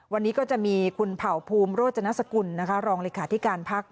วันนี้ก็จะมีคุณเผ่าภูมิโรจนสกุลรองเลขาธิการพัก